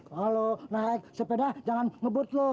kalo naik sepeda jangan ngebut lo